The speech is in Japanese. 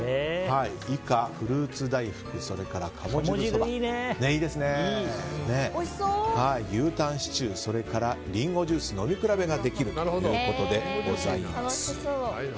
以下、フルーツ大福、鴨汁そば牛たんシチュー、それからリンゴジュース飲み比べができるということでございます。